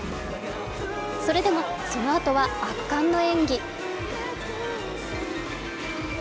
それでも、その後は圧巻の演技。